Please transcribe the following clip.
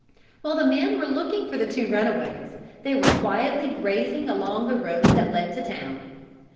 While the men were looking for the two runaways, they were quietly grazing along the road that led to the town.